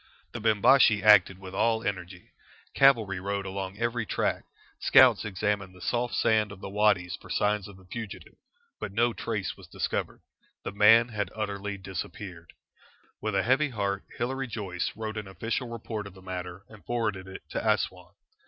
The Bimbashi acted with all energy. Cavalry rode along every track; scouts examined the soft sand of the wadys for signs of the fugitive, but no trace was discovered. The man had utterly disappeared. With a heavy heart, Hilary Joyce wrote an official report of the matter and forwarded it to Assouan.